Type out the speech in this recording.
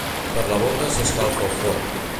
Per la boca s'escalfa el forn.